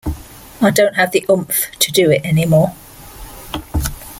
I don't have the oomph to do it any more.